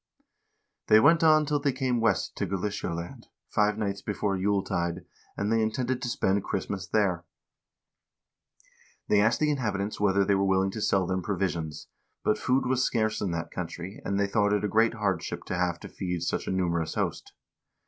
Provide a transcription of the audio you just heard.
"They went on till they came west to Galicialand, five nights before Jule tide, and they intended to spend Christmas there. They asked the inhabitants whether they were willing to sell them provisions; but food was scarce in that country, and they thought it a great hard ship to have to feed such a numerous host.